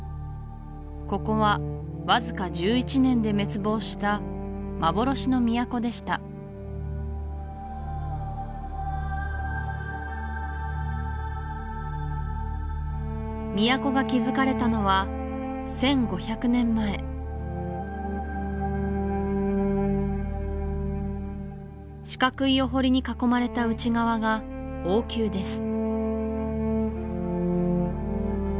ここはわずか１１年で滅亡した幻の都でした都が築かれたのは１５００年前四角いお堀に囲まれた内側が王宮です